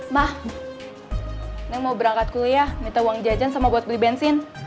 mak mau berangkat kuliah minta uang jajan sama buat beli bensin